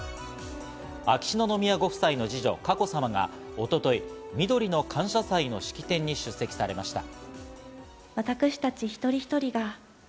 秋篠宮ご夫妻の二女・佳子さまが一昨日、みどりの感謝祭の式典に出席されました。